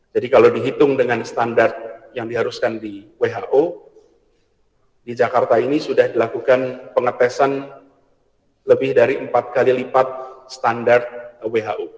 jadi kalau dihitung dengan standar yang diharuskan di who di jakarta ini sudah dilakukan pengetesan lebih dari empat kali lipat standar who